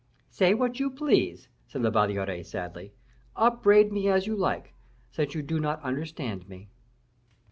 "Say what you please," said La Valliere, sadly; "upbraid me as you like, since you do not understand me."